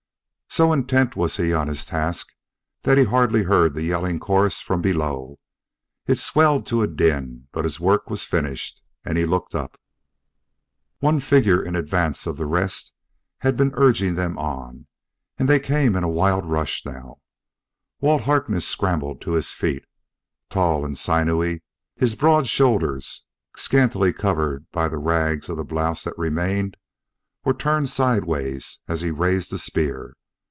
So intent was he on his task that he hardly heard the yelling chorus from below. It swelled to a din; but his work was finished, and he looked up. One figure in advance of the rest had been urging them on, and they came in a wild rush now. Walt Harkness scrambled to his feet. Tall and sinewy, his broad shoulders, scantily covered by the rags of blouse that remained, were turned sideways as he raised the spear.